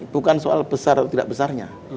bukan soal besar atau tidak besarnya